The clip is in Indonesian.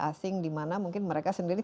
asing dimana mungkin mereka sendiri